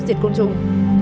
diệt công trùng